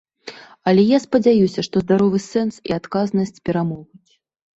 Але я спадзяюся, што здаровы сэнс і адказнасць перамогуць.